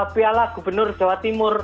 piala gubernur jawa timur